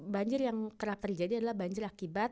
banjir yang kerap terjadi adalah banjir akibat